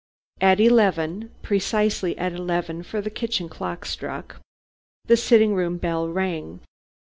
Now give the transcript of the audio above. At eleven (precisely at eleven, for the kitchen clock struck), the sitting room bell rang.